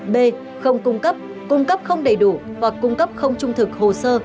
b không cung cấp cung cấp không đầy đủ hoặc cung cấp không trung thực hồ sơ